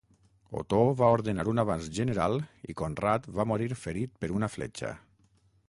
Otó va ordenar un avanç general i Conrad va morir ferit per una fletxa.